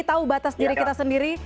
tahu batas diri kita sendiri